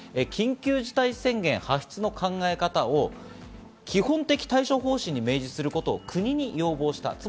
緊急事態宣言発出の考え方を基本的対処方針に明示することを国に要望した。